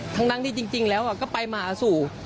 ทั้งนั้นที่จริงแล้วก็ไปมาอสุ